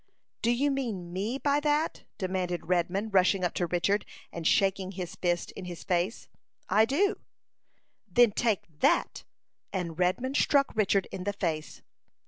"Do you mean me by that?" demanded Redman, rushing up to Richard, and shaking his fist in his face. "I do." "Then take that;" and Redman struck Richard in the face.